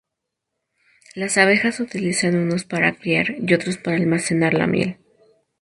La abejas utilizan unos para criar y otros para almacenar la miel.